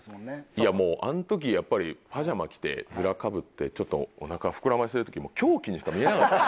いやもうあの時やっぱりパジャマ着てヅラかぶってちょっとお腹膨らませてる時狂気にしか見えなかった。